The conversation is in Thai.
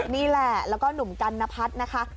นี่แหละแล้วก็หนุ่มกันนพัฒน์นะคะ